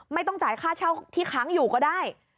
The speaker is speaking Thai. ไม่ต้องจ่ายค่าเช่าที่ค้างอยู่ก็ได้